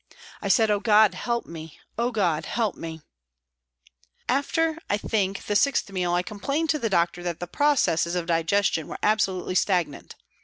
I said, " Oh, God, help me ! Oh, God, help me !" After, I think, the sixth meal, I complained to the doctor that the processes of digestion were absolutely stagnant.